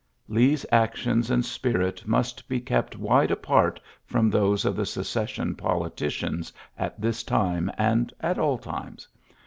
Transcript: Lee's actions and spirit must be kept wide apart from those of the Secession politicians at this time and at all times.